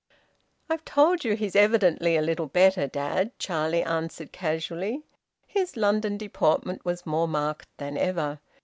"I've told you he's evidently a little better, dad," Charlie answered casually. His London deportment was more marked than ever.